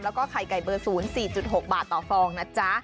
แล้วก็ไข่ไก่เบอร์๐๔๖บาทต่อฟองนะจ๊ะ